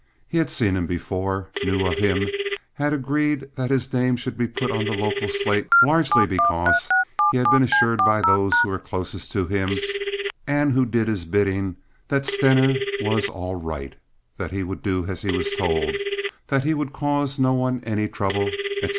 He had seen him before; knew of him; had agreed that his name should be put on the local slate largely because he had been assured by those who were closest to him and who did his bidding that Stener was "all right," that he would do as he was told, that he would cause no one any trouble, etc.